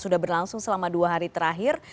sudah berlangsung selama dua hari terakhir